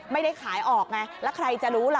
ไม่ได้ขายออกไงแล้วใครจะรู้ล่ะ